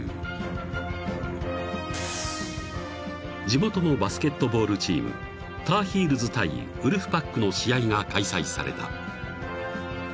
［地元のバスケットボールチームターヒールズ対ウルフパックの試合が開催された］